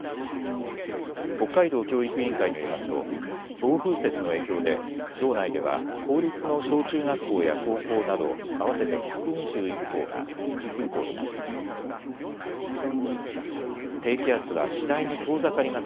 北海道教育委員会によりますと暴風雪の影響で道内では公立の小中学校や高校など合わせて１２１校が臨時休校になっています。